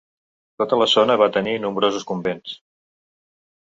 Tota la zona va tenir nombrosos convents.